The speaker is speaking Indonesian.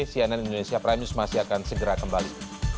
cnn indonesia prime news masih akan segera kembali